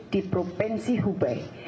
di provinsi hubei